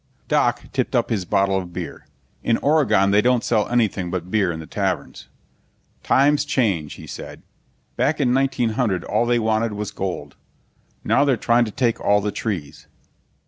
Doc tipped up his bottle of beer. In Oregon they don't sell anything but beer in the taverns. "Times change," he said. "Back in 1900 all they wanted was gold. Now they're trying to take all the trees."